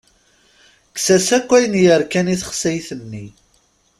Kkes-as akk ayen yerkan i texsayt-nni.